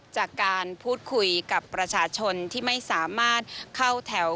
จากการพูดคุยกับประชาชนที่ไม่สามารถเข้าแถว